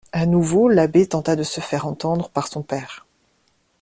A nouveau l'abbé tenta de se faire entendre par son père.